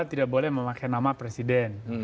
tidak boleh memakai nama presiden